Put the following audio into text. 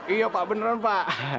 iya pak beneran pak